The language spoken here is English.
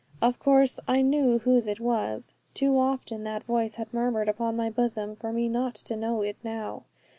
Of course I knew whose it was: too often that voice had murmured upon my bosom, for me not to know it now.